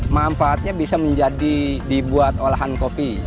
manfaatnya bisa menjadi dibuat olahan kopi